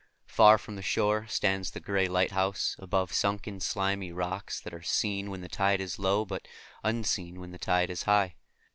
Far from the shore stands the gray lighthouse, above sunken slimy rocks that are seen when the tide is low, but unseen when the tide is high.